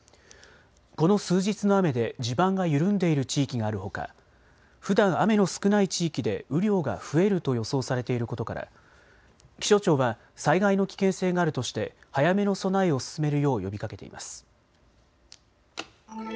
この数日の雨で地盤が緩んでいる地域があるほかふだん雨の少ない地域で雨量が増えると予想されていることから気象庁は災害の危険性があるとして早めの備えを進めるよう呼びかけています。